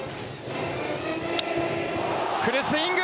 フルスイング！